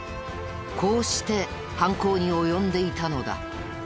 こうして犯行に及んでいたのだ。